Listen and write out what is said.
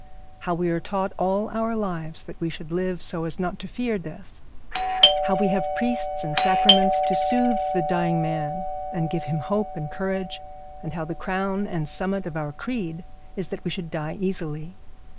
How we are taught all our lives that we should live so as not to fear death; how we have priests and sacraments to soothe the dying man, and give him hope and courage, and how the crown and summit of our creed is that we should die easily.